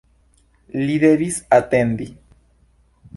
Li devis atendi.